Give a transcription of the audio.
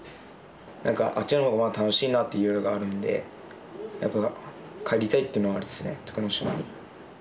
なんか、あっちのほうが楽しいなっていうのがあるんで、やっぱ帰りたいっていうのはあるっすね、徳之島に。